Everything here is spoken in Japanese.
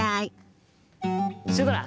シュドラ！